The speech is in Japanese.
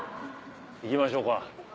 行きましょうか。